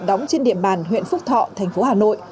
đóng trên địa bàn huyện phúc thọ thành phố hà nội